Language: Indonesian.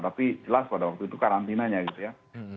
tapi jelas pada waktu itu karantinanya gitu ya